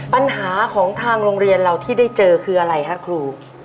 ปัญหาของทางโรงเรียนเราที่ได้เจอคืออะไรคะครู